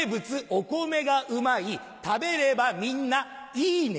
お米がうまい食べればみんな「いいね」